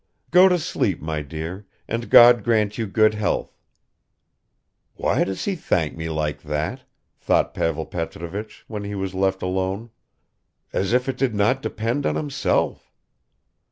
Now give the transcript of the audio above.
Go to sleep, my dear, and God grant you good health!" "Why does he thank me like that?" thought Pavel Petrovich, when he was left alone. "As if it did not depend on himself!